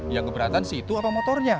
ya keberatan si itu apa motornya